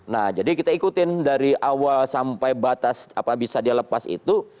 nah jadi kita ikutin dari awal sampai batas apa bisa dia lepas itu